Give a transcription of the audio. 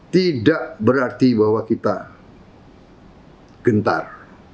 tidak berarti bahwa kita gentar